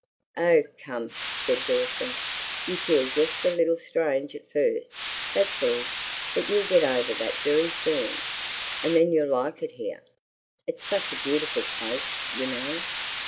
"Oh! come!" said Dawson, "you feel just a little strange at first, that's all; but you'll get over that very soon, and then you'll like it here. It's such a beautiful place, you know."